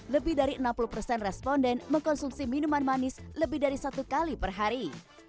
lebih dari enam puluh responden mengkonsumsi minuman manis lebih dari satu kali per hari